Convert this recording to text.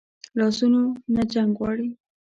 لاسونه نه جنګ غواړي